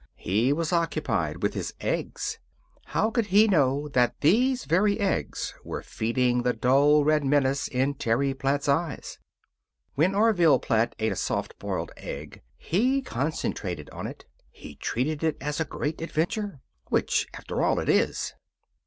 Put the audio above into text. He was occupied with his eggs. How could he know that these very eggs were feeding the dull red menace in Terry Platt's eyes? When Orville Platt ate a soft boiled egg he concentrated on it. He treated it as a great adventure. Which, after all, it is.